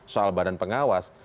soal badan pengawas